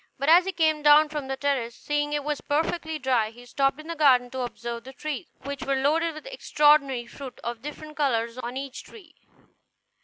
But as he came down from the terrace, seeing it was perfectly dry, he stopped in the garden to observe the trees, which were loaded with extraordinary fruit, of different colors on each tree.